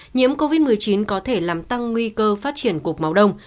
nhiễm covid một mươi chín có thể làm tăng nguy cơ phát triển cục máu đông